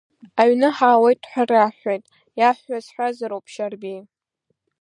Аҩны ҳаауеит ҳәа раҳҳәеит, иаҳҳәаз ҳәазароуп, Шьарбеи!